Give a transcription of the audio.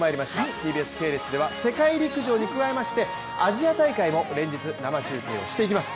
ＴＢＳ系列では世界陸上に加えましてアジア大会も連日生中継をしていきます。